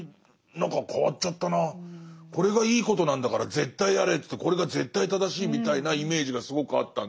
これがいいことなんだから絶対やれってこれが絶対正しいみたいなイメージがすごくあったんで。